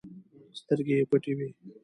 سترګې یې پټې وي.